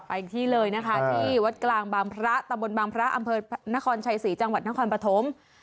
อีกที่เลยนะคะที่วัดกลางบางพระตำบลบางพระอำเภอนครชัยศรีจังหวัดนครปฐม